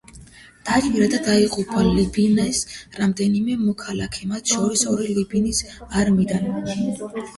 დაიჭრა და დაიღუპა ლიბანის რამდენიმე მოქალაქე, მათ შორის ორი ლიბანის არმიიდან.